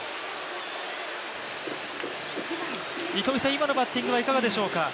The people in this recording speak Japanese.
今のバッティングはいかがでしょうか？